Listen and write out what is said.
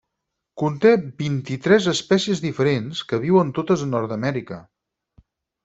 Conté vint-i-tres espècies diferents, que viuen totes a Nord-amèrica.